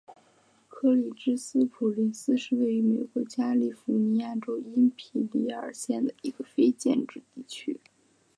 柯立芝斯普林斯是位于美国加利福尼亚州因皮里尔县的一个非建制地区。